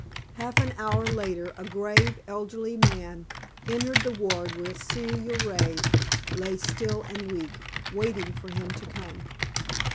Half an hour later a grave, elderly man entered the ward where Celia Ray lay still and weak, waiting for him to come.